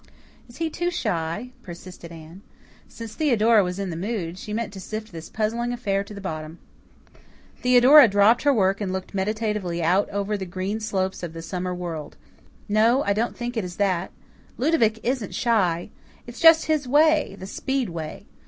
"Is he too shy?" persisted Anne. Since Theodora was in the mood, she meant to sift this puzzling affair to the bottom. Theodora dropped her work and looked meditatively out over the green slopes of the summer world. "No, I don't think it is that. Ludovic isn't shy. It's just his way the Speed way.